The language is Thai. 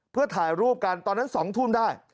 เพื่อถ่ายรูปกันตอนนั้น๒ทุ่มได้